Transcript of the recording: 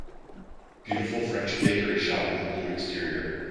Beautiful french bakery shop with blue exterior.